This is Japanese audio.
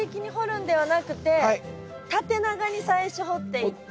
縦長に最初掘っていって。